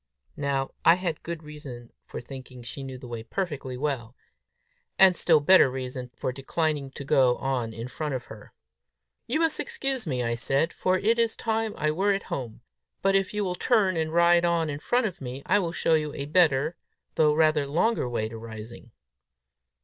Now I had good reason for thinking she knew the way perfectly well; and still better reason for declining to go on in front of her. "You must excuse me," I said, "for it is time I were at home; but if you will turn and ride on in front of me, I will show you a better, though rather longer way to Rising."